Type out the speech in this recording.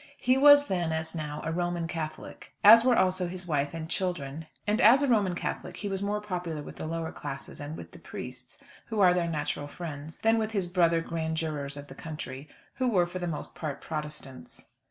He was then, as now, a Roman Catholic, as were also his wife and children; and, as a Roman Catholic, he was more popular with the lower classes, and with the priests, who are their natural friends, than with his brother grand jurors of the country, who were, for the most part, Protestants.